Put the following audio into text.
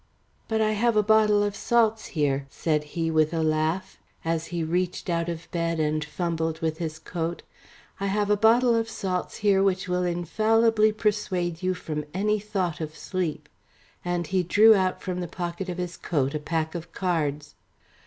"But I have a bottle of salts here," said he, with a laugh, as he reached out of bed and fumbled with his coat. "I have a bottle of salts here which will infallibly persuade you from any thought of sleep," and he drew out from the pocket of his coat a pack of cards.